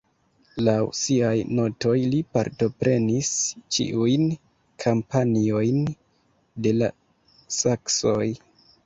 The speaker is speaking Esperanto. Laŭ siaj notoj li partoprenis ĉiujn kampanjojn de la saksoj.